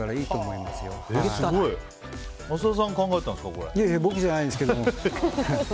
いえいえ、僕じゃないですけど。